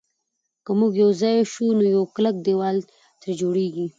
که موږ یو ځای شو نو یو کلک دېوال ترې جوړېږي.